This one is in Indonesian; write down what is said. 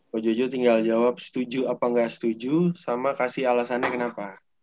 ko jojo tinggal jawab setuju apa gak setuju sama kasih alasannya kenapa